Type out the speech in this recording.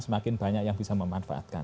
semakin banyak yang bisa memanfaatkan